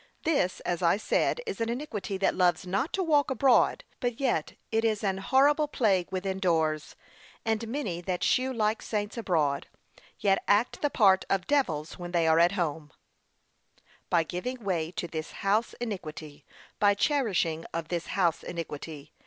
This, as I said, is an iniquity that loves not to walk abroad, but yet it is an horrible plague within doors. And, many that shew like saints abroad, yet act the part of devils when they are at home, by giving way to this house iniquity; by cherishing of this house iniquity.